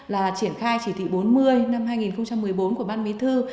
là triển khai chỉ thị bốn mươi năm hai nghìn một mươi bốn của ban bí thư